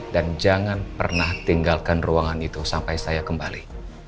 dan jangan pernah tinggalkan ruangan itu sampai saya kembali